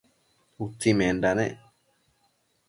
utsimenda nec